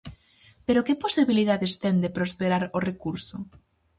Pero que posibilidades ten de prosperar o recurso?